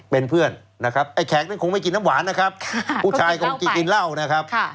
เป็นเพื่อนนะครับไอ้แขกนั้นคงไม่กินน้ำหวานนะครับผู้ชายคงกินเหล้านะครับ